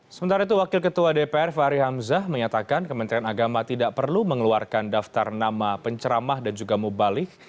sementara itu wakil ketua dpr fahri hamzah menyatakan kementerian agama tidak perlu mengeluarkan daftar nama penceramah dan juga mubalik